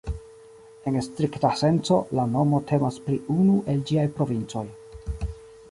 En strikta senco, la nomo temas pri unu el ĝiaj provincoj.